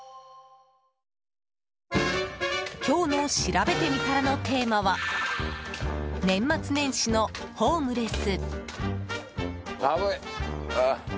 今日のしらべてみたらのテーマは、年末年始のホームレス。